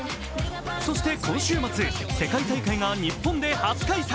そして今週末、世界大会が日本で初開催。